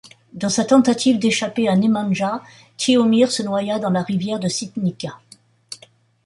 Dans sa tentative d'échapper à Nemanja, Tihomir se noya dans la rivière de Sitnica.